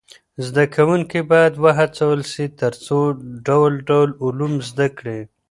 زده کوونکي باید و هڅول سي تر څو ډول ډول علوم زده کړي.